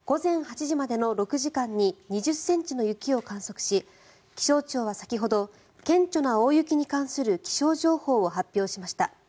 石川県の金沢では午前８時までの６時間に２０ｃｍの雪を観測し気象庁は先ほど顕著な大雪に関する気象情報を発表しました。